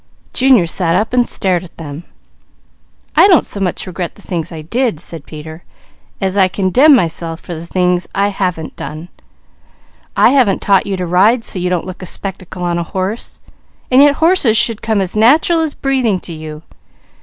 Junior sat up and stared at them. "I don't so much regret the things I did," said Peter, "as I condemn myself for the things I haven't done. I haven't taught you to ride so you don't look a spectacle on a horse, and yet horses should come as natural as breathing to you.